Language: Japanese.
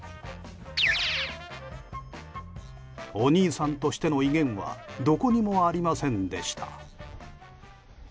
お兄さんとしての威厳はどこにもありませんでした。